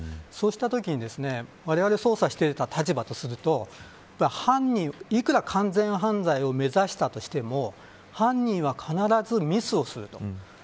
そうしたときにですね、われわれ捜査していた立場とするといくら完全犯罪を目指したとしても犯人は必ずミスをすると。